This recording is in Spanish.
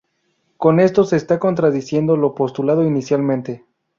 Con esto se está contradiciendo lo postulado inicialmente.